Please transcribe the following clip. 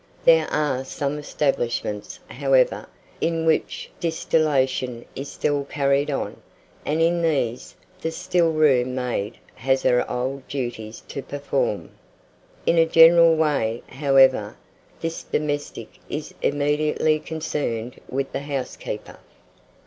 There are some establishments, however, in which distillation is still carried on, and in these, the still room maid has her old duties to perform. In a general way, however, this domestic is immediately concerned with the housekeeper.